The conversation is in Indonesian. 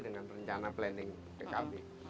dengan rencana planning pkb